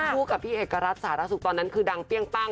พูดกับที่เอกการัตสารสุขตอนนั้นคือดังเปลี้ยงปล้าง